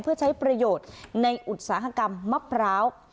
เพื่อใช้ประโยชน์ในอุตสาหกรรมมะพร้าว